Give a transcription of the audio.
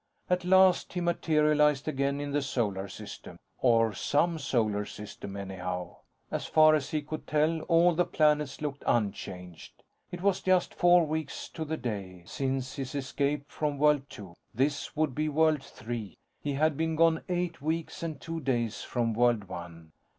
At last, he materialized again in the Solar System. Or some Solar System, anyhow. As far as he could tell, all the planets looked unchanged. It was just four weeks to the day, since his escape from World Two. This would be World Three. He had been gone eight weeks and two days from World One.